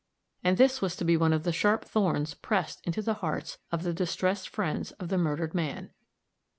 And this was to be one of the sharp thorns pressed into the hearts of the distressed friends of the murdered man.